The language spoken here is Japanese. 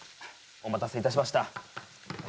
お待たせいたしました